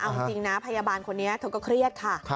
เอาจริงนะพยาบาลคนนี้เธอก็เครียดค่ะ